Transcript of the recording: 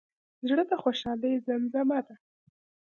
زړه د خوشحالۍ زیمزمه ده.